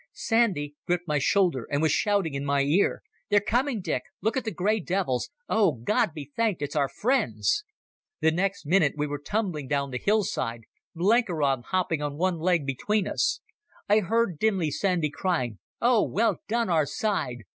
Sandy gripped my shoulder and was shouting in my ear: "They're coming, Dick. Look at the grey devils ... Oh, God be thanked, it's our friends!" The next minute we were tumbling down the hillside, Blenkiron hopping on one leg between us. I heard dimly Sandy crying, "Oh, well done our side!"